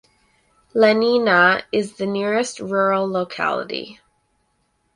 Lenina is the nearest rural locality.